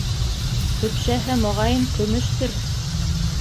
Көпшәһе, моғайын, көмөштөр.